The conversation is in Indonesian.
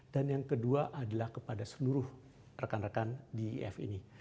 dan yang kedua adalah kepada seluruh rekan rekan di iif ini